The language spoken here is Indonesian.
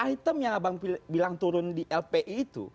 item yang abang bilang turun di lpi itu